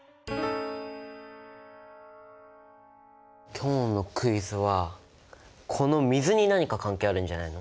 今日のクイズはこの水に何か関係あるんじゃないの？